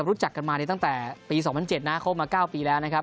รู้จักกันมาตั้งแต่ปี๒๐๐๗นะคบมา๙ปีแล้วนะครับ